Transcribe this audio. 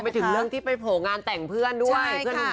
ไปถึงเรื่องที่ไปโผล่งานแต่งเพื่อนด้วย